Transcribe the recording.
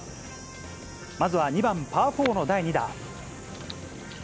まずは２番パー４の第２打。